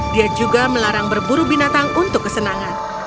dia juga melarang berburu binatang untuk kesenangan